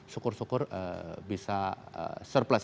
syukur syukur bisa surplus